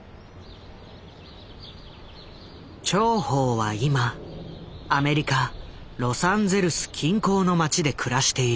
趙は今アメリカ・ロサンゼルス近郊の街で暮らしている。